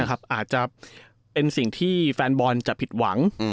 อาจจะเป็นสิ่งที่แฟนบอลจะผิดหวัง